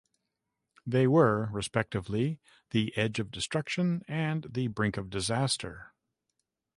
They were, respectively, "The Edge of Destruction" and "The Brink of Disaster.